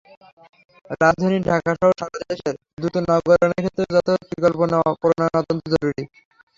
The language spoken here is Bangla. রাজধানী ঢাকাসহ সারা দেশের দ্রুত নগরায়ণের ক্ষেত্রে যথাযথ পরিকল্পনা প্রণয়ন অত্যন্ত জরুরি।